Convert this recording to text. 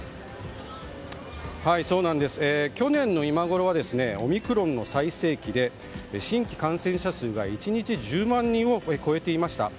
去年の今ごろはオミクロンの最盛期で新規感染者数が１日１０万人を超えていました。